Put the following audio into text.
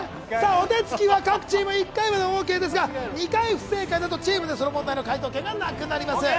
お手つきは各チーム１回までオーケーですが、２回不正解だと、チームでの問題の解答権がなくなります。